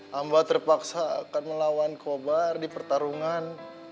hamba terpaksa akan melawan kobar di pertarungan